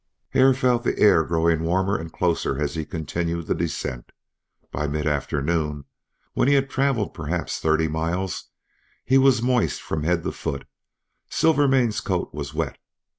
Hare felt the air growing warmer and closer as he continued the descent. By mid afternoon, when he had travelled perhaps thirty miles, he was moist from head to foot, and Silvermane's coat was wet.